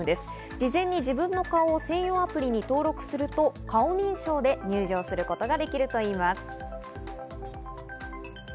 事前に自分の顔を専用アプリに登録すると顔認証で入場することができるといいます。